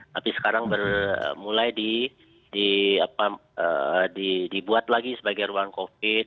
tapi sekarang mulai dibuat lagi sebagai ruang covid